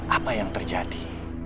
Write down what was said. apa yang terjadi